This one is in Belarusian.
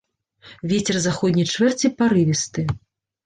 Вецер заходняй чвэрці парывісты.